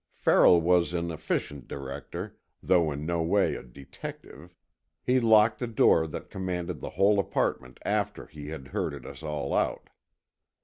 Farrell was an efficient director, though in no way a detective. He locked the door that commanded the whole apartment after he had herded us all out.